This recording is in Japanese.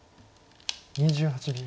２８秒。